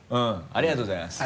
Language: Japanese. ありがとうございます。